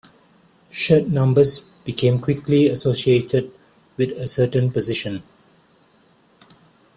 Shirt numbers became quickly associated with a certain position.